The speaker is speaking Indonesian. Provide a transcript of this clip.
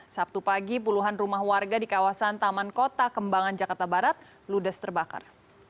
sabtu pagi puluhan rumah warga di kawasan taman kota kembangan jakarta barat ludes terbakar